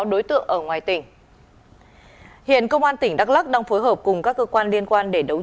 đối tượng ở ngoài tỉnh hiện công an tỉnh đắk lắc đang phối hợp cùng các cơ quan liên quan để đấu